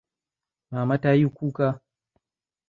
Mama tayi kuka.